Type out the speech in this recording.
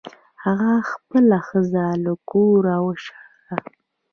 هغه خپله ښځه له کوره وشړله.